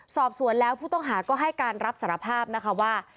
สอบสวนแล้วผู้ต้องหาก็ให้การรับสารภาพนะคะว่า